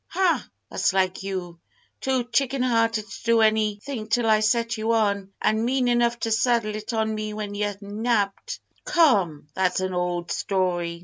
"Ha! that's like you. Too chicken hearted to do any thing till I set you on, an' mean enough to saddle it on me when ye'r nabbed." "Come, that's an old story!"